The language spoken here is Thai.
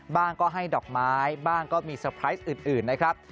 บ้างก็ให้ดอกไม้บ้างก็มีเตอร์ไพรส์อื่นนะครับ